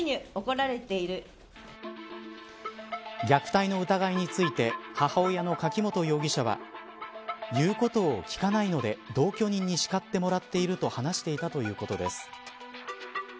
虐待の疑いについて母親の柿本容疑者は言うことを聞かないので同居人にしかってもらっていると話していたということです。